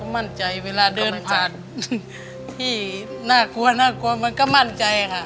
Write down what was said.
มั่นใจเวลาเดินผ่านที่น่ากลัวน่ากลัวมันก็มั่นใจค่ะ